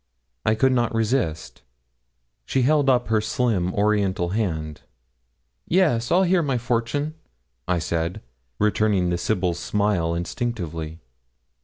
I could not resist. She held up her slim oriental hand. 'Yes, I'll hear my fortune,' I said, returning the sibyl's smile instinctively.